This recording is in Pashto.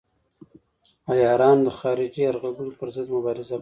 عیارانو د خارجي یرغلګرو پر ضد مبارزه کوله.